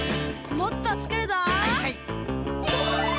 もっとつくるぞ！